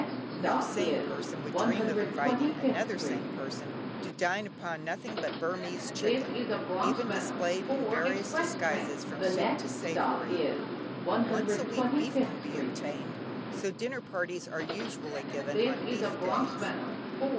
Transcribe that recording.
No sane person would dream of inviting another sane person to dine upon nothing but Burmese chicken, even displayed in various disguises from soup to savoury. Once a week beef can be obtained, so dinner parties are usually given on "beef days."